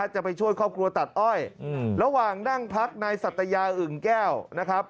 จะไปช่วยครอบครัวตัดอ้อยระหว่างนั่งพักนายสัตยาอึ่งแก้วนะครับ